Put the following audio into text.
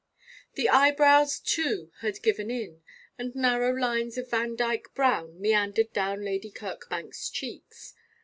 The eyebrows, too, had given in, and narrow lines of Vandyke brown meandered down Lady Kirkbank's cheeks.